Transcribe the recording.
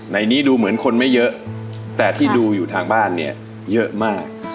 ในนี้ดูเหมือนคนไม่เยอะแต่ที่ดูอยู่ทางบ้านเนี่ยเยอะมาก